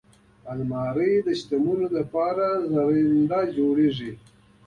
الماري د شتمنو لپاره زرینده جوړیږي